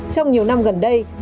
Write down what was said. trường hợp việt nam đã tăng giá điện